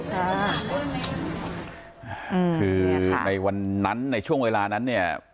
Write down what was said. คือในวันนั้นในช่วงเวลานั้นเนี่ย